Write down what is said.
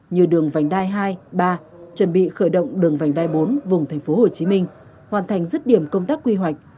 như đường vành đai hai ba chuẩn bị khởi động đường vành đai bốn vùng tp hcm hoàn thành dứt điểm công tác quy hoạch